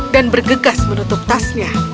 dan bergegas menutup tasnya